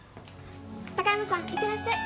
高山さんいってらっしゃい。